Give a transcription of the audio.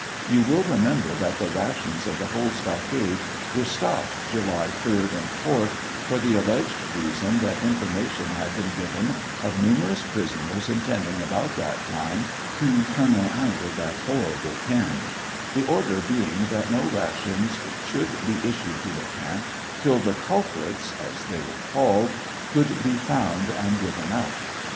You will remember that the rations of the whole stockade were stopped July 3d and 4th, for the alleged reason that information had been given of numerous prisoners intending about that time to " tunnel out of that horrible pen," the order being that no rations should be issued to the camp till the " culprits," as they were called, could be found and given up.